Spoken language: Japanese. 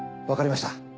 わかりました。